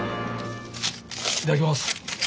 いただきます。